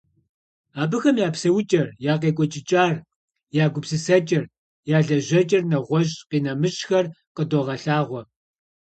Абыхэм я псэукӀэр, я къекӀуэкӀыкӀар, я гупысэкӀэр, я лэжьэкӀэр, нэгъуэщӀ-къинэмыщӀхэр къыдогъэлъэгъуэ.